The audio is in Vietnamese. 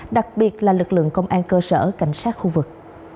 đặc biệt là lực lượng công an cơ sở cảnh sát khu vực